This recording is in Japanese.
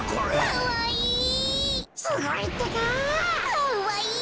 かわいい。